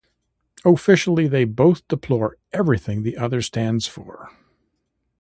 Officially, they both deplore everything the other stands for.